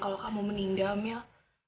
kalau kamu meninggal mil